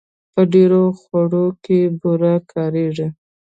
په ډېرو خوړو کې بوره کارېږي.